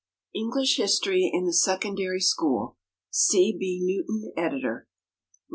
English History in the Secondary School C. B. NEWTON, Editor. II.